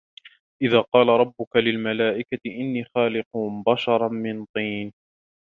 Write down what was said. إذ قال ربك للملائكة إني خالق بشرا من طين